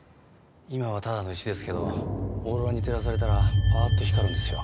今はただの石ですけどオーロラに照らされたらパーッと光るんですよ